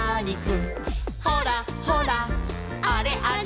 「ほらほらあれあれ」